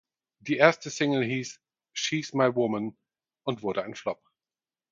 Die erste Single hieß "She's My Woman" und wurde ein Flop.